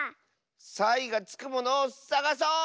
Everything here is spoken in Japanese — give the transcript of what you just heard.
サイがつくものをさがそう！